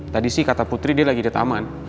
tadi sih kata putri dia lagi di taman